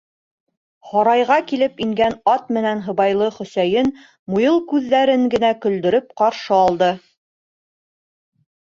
Һарайға килеп ингән ат менән һыбайлыны Хөсәйен муйыл күҙҙәрен генә көлдөрөп ҡаршы алды: